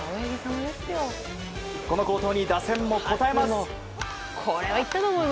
この好投に打線も応えます。